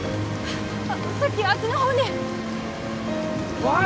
さっきあっちの方に小春！